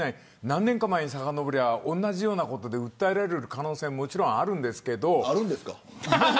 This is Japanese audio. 何年か前さかのぼれば同じようなことで訴えられる可能性ももちろん、あるんですけど。